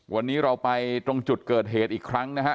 วันนี้เราไปตรงจุดเกิดเหตุอีกครั้งนะฮะ